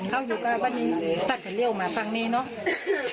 เขาอยู่กับบ้านนี้ป้าก็เลี่ยวมาฝั่งนี้เนอะ